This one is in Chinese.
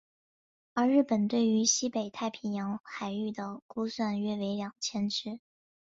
而日本对于西北太平洋海域的估算约为二千只。